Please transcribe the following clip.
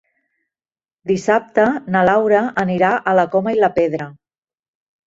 Dissabte na Laura anirà a la Coma i la Pedra.